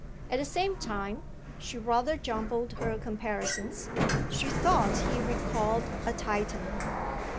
At the same time she rather jumbled her comparisons she thought he recalled a Titian.